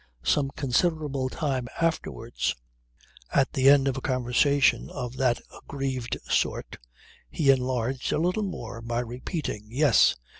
Some considerable time afterwards, at the end of a conversation of that aggrieved sort, he enlarged a little more by repeating: 'Yes!